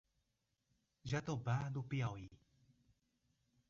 Jatobá do Piauí